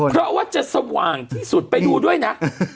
เพราะว่าจะสว่างที่สุดไปดูด้วยนะ